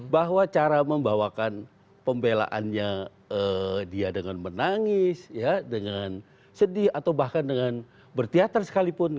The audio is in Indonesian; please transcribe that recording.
bahwa cara membawakan pembelaannya dia dengan menangis dengan sedih atau bahkan dengan bertiater sekalipun